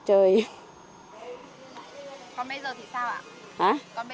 còn bây giờ thì sao ạ